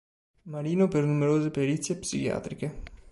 Marino per numerose perizie psichiatriche.